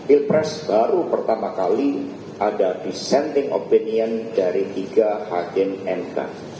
ilpres baru pertama kali ada dissenting opinion dari tiga hagem entah